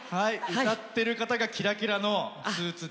歌っている方がキラキラのスーツで。